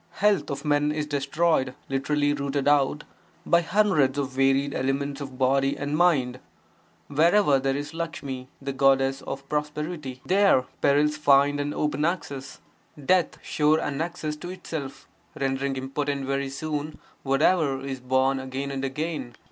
Health of men is destroyed (lit. rooted out) by hundreds of varied ailments of body and mind; wherever there is Lakshmi (the goddess of prosperity), there perils find an open access; death sure annexes to itself, rendering impotent very soon, whatever is born again and again.